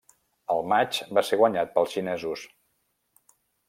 El matx va ser guanyat pels xinesos.